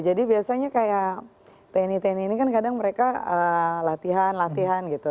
jadi biasanya kayak tni tni ini kan kadang mereka latihan latihan gitu